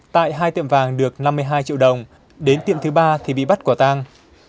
tại hai tiệm vàng được năm mươi hai triệu đồng đến tiệm thứ ba thì bị bắt quả tang